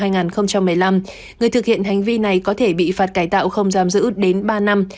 người thực hiện hành vi này có thể bị phạt cải tạo không giam giữ đến ba năm